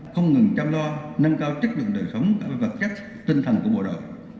không ngừng chăm lo nâng cao chất lượng đời sống cả về vật chất tinh thần của bộ đội